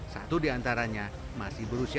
satu di antaranya masih berusia